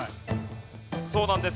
そうなんです。